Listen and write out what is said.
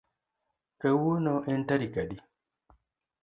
Kawuono en tarik adi